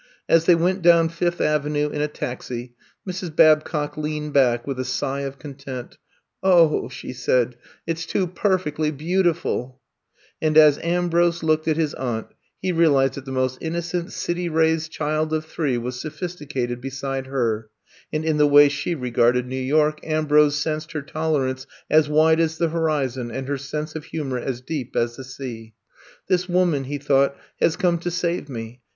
As they went down Fifth Avenue in a taxi, Mrs. Babcock leaned back with a sigh of content. 0h,*' she said, it 's too per fectly beautiful !'* And as Ambrose looked at his aunt he realized that the most innocent city raised <5hild of three was sophisticated beside her, and in the way she regarded New York, Ambrose sensed her tolerance as wide as the horizon and her sense of humor as deep as the sea. This woman," he thought, has come to save me.